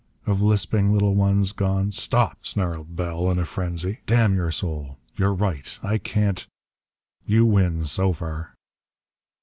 Of lisping little ones gone " "Stop!" snarled Bell, in a frenzy. "Damn your soul! You're right! I can't! You win so far!"